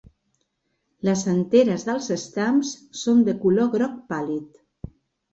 Les anteres dels estams són de color groc pàl·lid.